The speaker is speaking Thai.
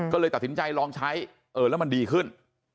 ก็เลยตัดสินใจลองใช้เออแล้วมันดีขึ้น